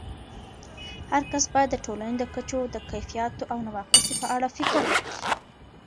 هرکس باید د ټولنې د کچو د کیفیاتو او نواقصو په اړه فکر وکړي.